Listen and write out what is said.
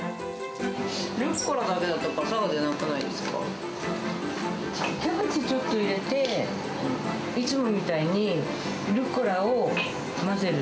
ルッコラだけだと、キャベツちょっと入れて、いつもみたいにルッコラを混ぜる。